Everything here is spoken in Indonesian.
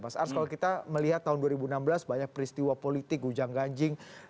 mas ars kalau kita melihat tahun dua ribu enam belas banyak peristiwa politik ujang ganjing